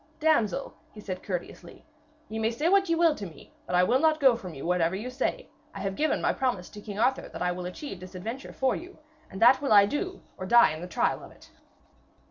'Damsel,' said he courteously, 'ye may say what ye will to me, but I will not go from you whatever you say. I have given my promise to King Arthur that I will achieve this adventure for you, and that will I do or die in the trial of it.'